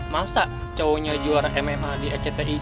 masa cowoknya juara mma di ecti